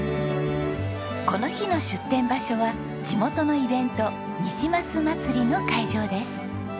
この日の出店場所は地元のイベントにじます祭の会場です。